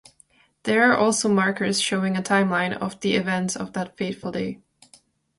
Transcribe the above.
There are also markers showing a timeline of the events of that fateful day.